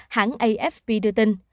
hãng afp đưa tin